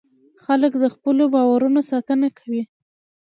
خلک د خپلو باورونو ساتنه کوي.